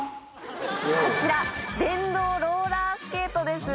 こちら電動ローラースケートです。